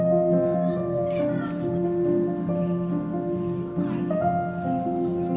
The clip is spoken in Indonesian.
mencoba untuk mencoba